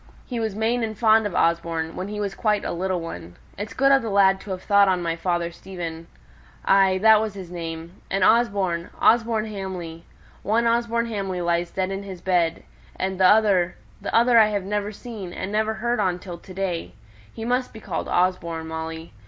He was main and fond of Osborne, when he was quite a little one. It's good of the lad to have thought on my father Stephen. Ay! that was his name. And Osborne Osborne Hamley! One Osborne Hamley lies dead on his bed and t'other t'other I've never seen, and never heard on till to day. He must be called Osborne, Molly.